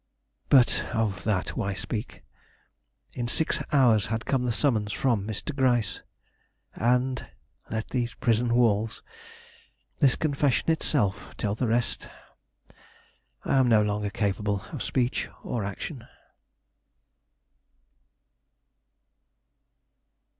But of that why speak? In six hours had come the summons from Mr. Gryce, and let these prison walls, this confession itself, tell the rest. I am no longer capable of speech or action.